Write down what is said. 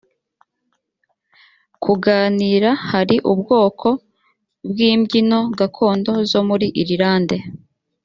kuganira hari ubwoko bw imbyino gakondo zo muri irilande